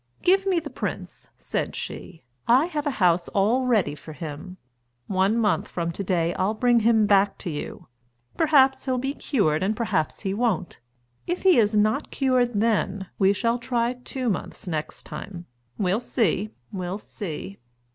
"Give me the prince," said she, "I have a house all ready for him. One month from to day I'll bring him back to you. Perhaps he'll be cured and perhaps he won't. If he is not cured then, we shall try two months next time. We'll see, we'll see."